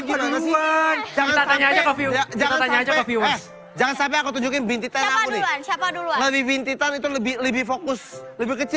jangan jangan aku tunjukin binti tenang lebih lebih fokus lebih kecil